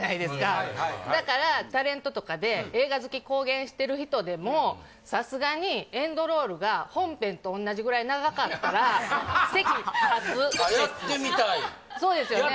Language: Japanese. はいはいはいだからタレントとかで映画好き公言してる人でもさすがにエンドロールが本編と同じぐらい長かったら席立つやってみたいそうですよね？